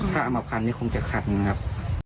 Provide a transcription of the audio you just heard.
ถ้าเอามาพันคงจะขัดนะครับ